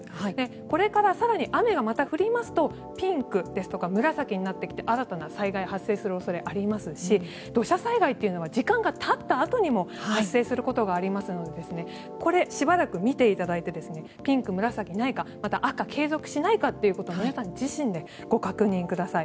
これから更に雨がまた降りますとピンクですとか紫になってきて新たな災害が発生する恐れがありますし土砂災害というのは時間がたったあとにも発生することがありますのでこれをしばらく見ていただいてピンク、紫がないかまた、赤が継続しないかというのを皆さん自身でご確認ください。